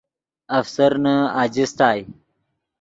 افسرنے اجستائے